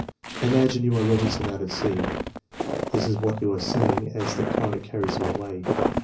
Imagine, you are Robinson out at sea. This is what you are saying as the current carries you away.